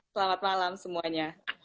selamat malam semuanya